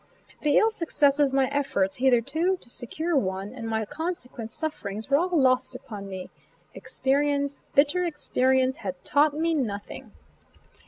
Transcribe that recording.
The ill success of my efforts, hitherto, to secure one, and my consequent sufferings were all lost upon me experience, bitter experience, had taught me nothing.